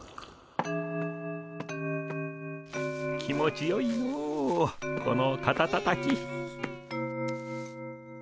気持ちよいのこの肩たたき。